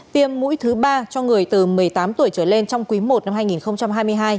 tiêm mũi thứ ba cho người từ một mươi tám tuổi trở lên trong quý i năm hai nghìn hai mươi hai